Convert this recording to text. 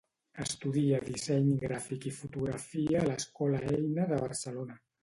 Estudia disseny gràfic i fotografia a l'Escola Eina de Barcelona.